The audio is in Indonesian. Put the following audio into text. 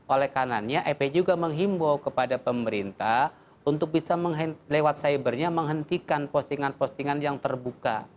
oleh kanannya epi juga menghimbau kepada pemerintah untuk bisa lewat cybernya menghentikan postingan postingan yang terbuka